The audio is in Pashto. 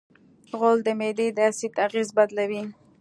غول د معدې د اسید اغېز بدلوي.